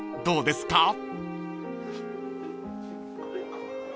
どうですか？］